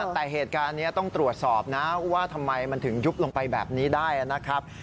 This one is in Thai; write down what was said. แต่เหตุการณ์นี้ต้องตรวจสอบนะว่าทำไมมันถึงยุบลงไปแบบนี้ได้นะครับ